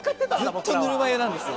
ずっとぬるま湯なんですよ。